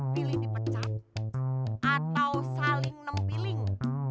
pilih dipecat atau saling nempiling